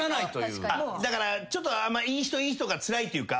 だからちょっといい人いい人がつらいというか。